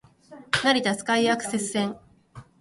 成田スカイアクセス線